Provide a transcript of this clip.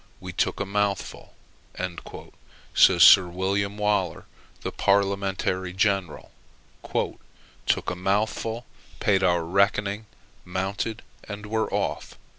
"We took a mouthful," says Sir William Waller, the Parliamentary general, "took a mouthful; paid our reckoning; mounted; and were off."